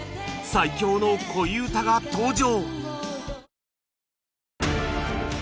最強の恋うたが登場！